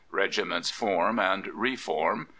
Regiments form and re form.